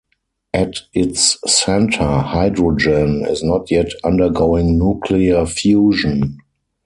At its center, hydrogen is not yet undergoing nuclear fusion.